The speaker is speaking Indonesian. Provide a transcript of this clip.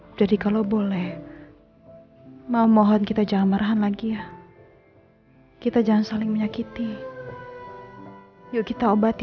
hai jadi kalau boleh mau mohon kita jangan marah lagi ya ayo kita jangan saling menyakiti yuk kita obati